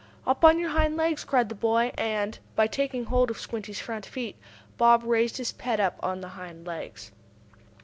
"Up on your hind legs!" cried the boy, and, by taking hold of Squinty's front feet, Bob raised his pet up on the hind legs.